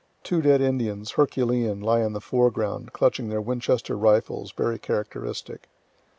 Two dead Indians, herculean, lie in the foreground, clutching their Winchester rifles, very characteristic.